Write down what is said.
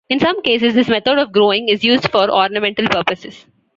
In some cases, this method of growing is used for ornamental purposes.